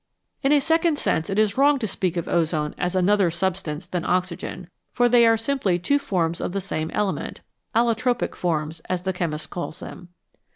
In a second sense it is wrong to speak of ozone as "another substance" than oxygen, for they are simply two forms of the same element " allotropic " forms, as the chemist calls them.